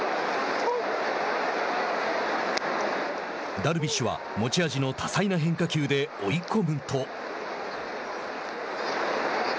ダルビッシュは持ち味の多彩な変化球で追い込むと。